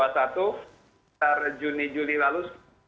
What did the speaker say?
sejak juni juli lalu